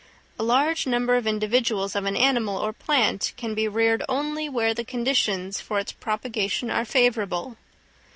A large number of individuals of an animal or plant can be reared only where the conditions for its propagation are favourable.